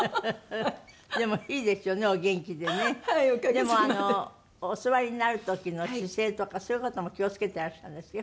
でもあのお座りになる時の姿勢とかそういう事も気を付けてらっしゃるんですか？